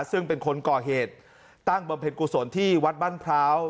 ซึ่งเป็นคนก่อเหตุตั้งบำเพ็ญกุศลที่วัดบ้านพร้าว